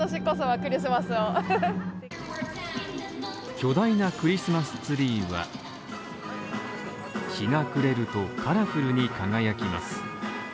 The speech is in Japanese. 巨大なクリスマスツリーは日が暮れるとカラフルに輝きます。